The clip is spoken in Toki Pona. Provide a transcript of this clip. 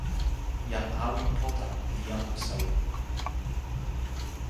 jan Awi Pota li jan usawi.